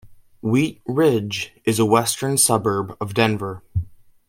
Wheat Ridge is a western suburb of Denver.